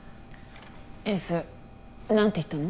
エース何て言ったの？